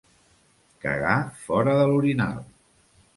Cagar fora de l'orinal.